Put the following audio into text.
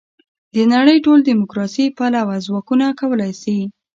د نړۍ ټول دیموکراسي پلوه ځواکونه کولای شي.